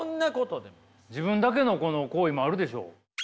自分だけの行為もあるでしょう。